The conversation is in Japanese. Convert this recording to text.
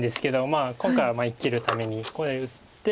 まあ今回は生きるためにこれ打って。